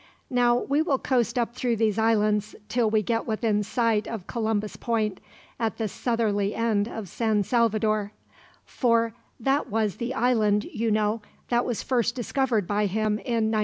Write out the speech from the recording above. Now we will coast up through these islands, till we get within sight of Columbus Point, at the southerly end of San Salvador; for that was the island, you know, that was first discovered by him in '92.